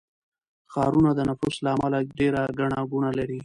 ښارونه د نفوس له امله ډېر ګڼه ګوڼه لري.